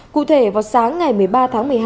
cụ thể vào sáng ngày một mươi ba tháng một mươi hai